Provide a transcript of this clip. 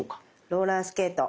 ローラースケート。